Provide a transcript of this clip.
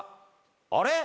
あれ？